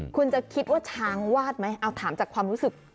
คุณจะคิดว่าช้างวาดไหมเอาถามจากความรู้สึก